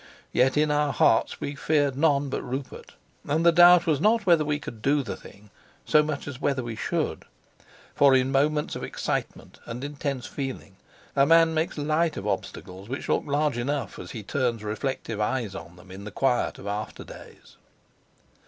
Yet in our hearts we feared none but Rupert, and the doubt was not whether we could do the thing so much as whether we should. For in moments of excitement and intense feeling a man makes light of obstacles which look large enough as he turns reflective eyes on them in the quiet of after days.